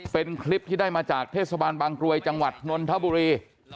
เป็นคลิปที่ได้มาจากเทศบาลบางกรวยจังหวัดนนทบุรี